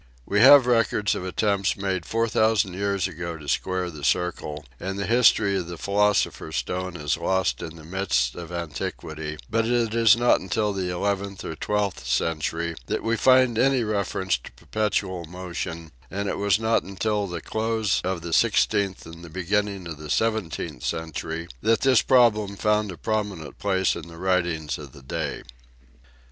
We have records of attempts made 4000 years ago to square the circle, and the history of the philosopher's stone is lost in the mists of antiquity ; but it is not until the eleventh or twelfth century that we find any reference to perpetual motion, and it was not until the close of the sixteenth and the beginning of the seven teenth century that this problem found a prominent place in the writings of the day.